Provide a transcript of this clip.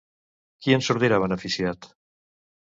Qui en sortirà beneficiat?